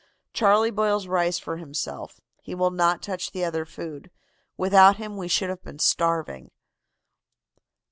Charlie boils rice for himself. He will not touch the other food. Without him we should have been starving.